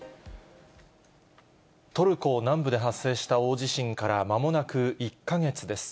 トルコ南部で発生した大地震からまもなく１か月です。